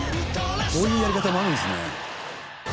こういうやり方もあるんですね。